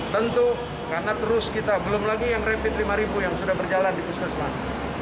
tentu karena terus kita belum lagi yang rapid lima ribu yang sudah berjalan di puskesmas